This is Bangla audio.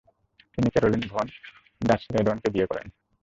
তিনি ক্যারোলিন ফন ডাচেরোডেনকে বিয়ে করেন।